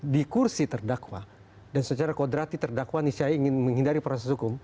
dikursi terdakwa dan secara kodrati terdakwa nisai ingin menghindari proses hukum